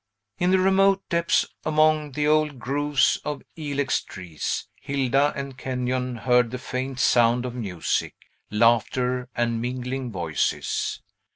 In the remoter depths, among the old groves of ilex trees, Hilda and Kenyon heard the faint sound of music, laughter, and mingling voices.